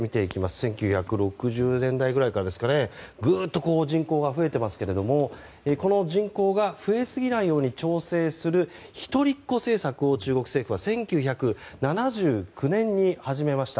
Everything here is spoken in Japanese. １９６０年代くらいからですかねグッと人口が増えていますけどもこの人口が増えすぎないように調整する一人っ子政策を中国政府は１９７９年に始めました。